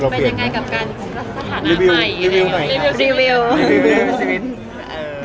เป็นยังไงกับการสถานะใหม่รีวิวหน่อยค่ะ